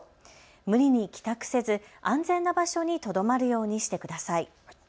無理に帰宅せず安全な場所にとどまるようにしてください。